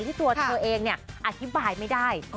ตัวเธอเองอธิบายไม่ได้